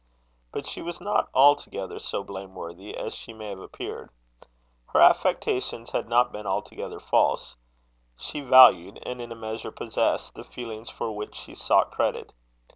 But she was not altogether so blameworthy as she may have appeared. Her affectations had not been altogether false. She valued, and in a measure possessed, the feelings for which she sought credit.